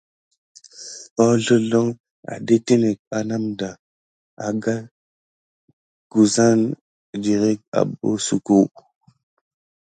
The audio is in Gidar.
Horzlozloŋ adetine anamdaba agate kusan dirick abosuko.